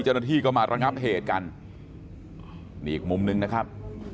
เจ้าหน้าที่ก็มาระงับเหตุกันนี่อีกมุมนึงนะครับ